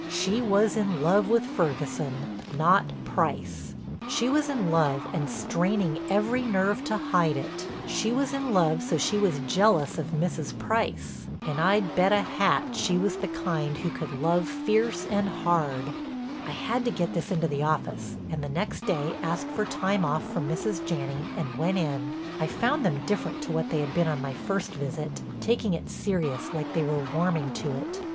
She was in love with Ferguson, not Price; she was in love and straining every nerve to hide it; she was in love so she was jealous of Mrs. Price—and I'd bet a hat she was the kind who could love fierce and hard. I had to get this into the office and the next day asked for time off from Mrs. Janney and went in. I found them different to what they had been on my first visit, taking it serious like they were warming to it.